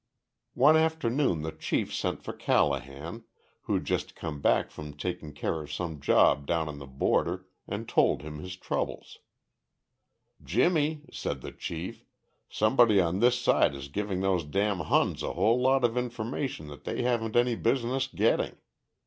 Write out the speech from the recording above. One afternoon the Chief sent for Callahan, who'd just come back from taking care of some job down on the border, and told him his troubles. "Jimmy," said the Chief, "somebody on this side is giving those damn Huns a whole lot of information that they haven't any business getting.